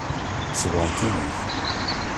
Sebɣent-iyi-t.